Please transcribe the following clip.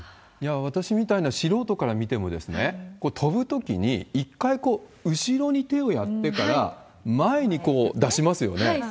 私みたいな素人から見ても、これ、跳ぶときに１回こう、後ろに手をやってから、前にこう出しますよね。